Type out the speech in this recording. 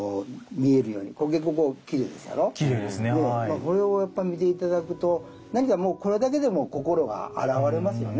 これをやっぱ見て頂くとこれだけでも心が洗われますよね